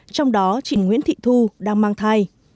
trong đó chị nguyễn thị thu đang mang thông tin